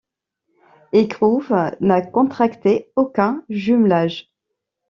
Écrouves n'a contracté aucun jumelage.